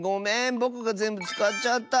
ぼくがぜんぶつかっちゃった！